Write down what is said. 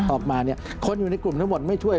ออกมาเนี่ยคนอยู่ในกลุ่มทั้งหมดไม่ช่วย